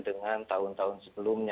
dengan tahun tahun sebelumnya